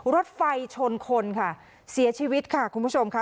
รถไฟชนคนค่ะเสียชีวิตค่ะคุณผู้ชมค่ะ